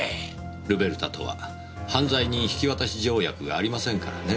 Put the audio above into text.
ルベルタとは犯罪人引渡条約がありませんからね。